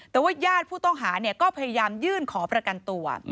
แต่ว่าญาติผู้ต้องหาก็พยายามยื่นขอประกันตัว